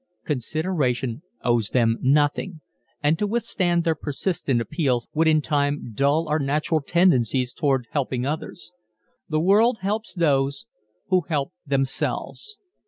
Consideration owes them nothing and to withstand their persistent appeals would in time dull our natural tendencies toward helping others. The world helps those who help themselves.